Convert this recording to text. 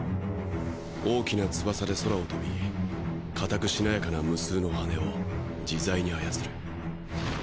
大きな翼で空を飛び固くしなやかな無数の羽を自在に操る。